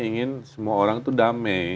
ingin semua orang itu damai